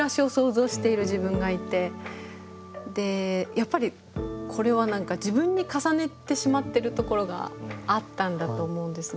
やっぱりこれは何か自分に重ねてしまってるところがあったんだと思うんですね。